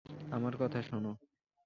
আমার কথা শোনো!